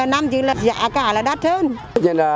năm chứ là giá cả là đắt hơn